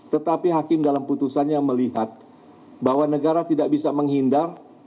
tetapi hakim dalam putusannya melihat bahwa negara tidak bisa menghindar